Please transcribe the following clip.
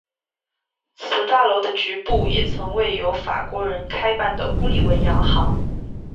此大楼的局部也曾为由法国人开办的乌利文洋行。